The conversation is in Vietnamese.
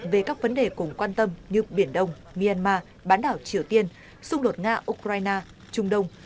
về các vấn đề cùng quan tâm như biển đông myanmar bán đảo triều tiên xung đột nga ukraine trung đông